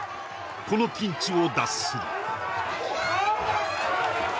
このピンチを脱する・立嶋！